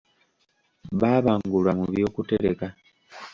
Baabangulwa mu by'okutereka.